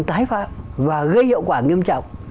tái phạm và gây hiệu quả nghiêm trọng